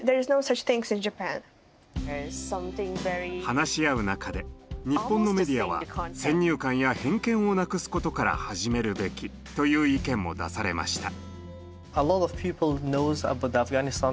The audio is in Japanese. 話し合う中で「日本のメディアは先入観や偏見をなくすことから始めるべき」という意見も出されました。